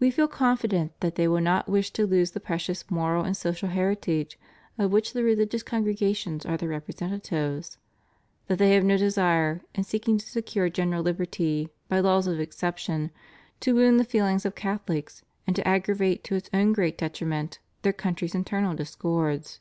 We feel confident that they will not wish to lose the precious moral and social heritage of which the religious congregations are the representatives; that they have no desire, in seeking to secure general Hberty ])y laws of exception, to wound the feelings of Catholics, and to aggravate to its own great detriment their country's internal discords.